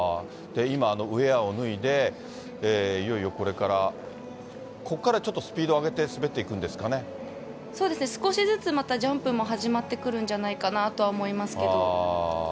今、ウエアを脱いで、いよいよこれからここからちょっとスピード上げて滑っていくんでそうですね、少しずつまたジャンプも始まってくるんじゃないかなとは思います